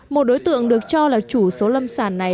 một đối tượng được cho là chủ số lâm sản này